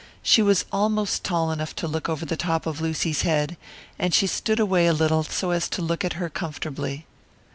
She was almost tall enough to look over the top of Lucy's head, and she stood away a little so as to look at her comfortably.